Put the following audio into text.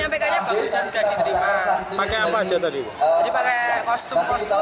kan biasanya kalau penyuluhannya pakai ditayangin gitu